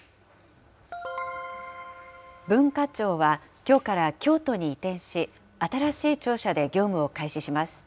文化庁は、きょうから京都に移転し、新しい庁舎で業務を開始します。